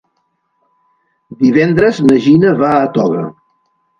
Divendres na Gina va a Toga.